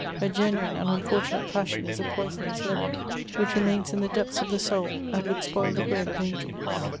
A gemnne and un£:>rtunate passion is a poisonous leaven, which remains in the depths of the soul, and would spoil the bread of angds.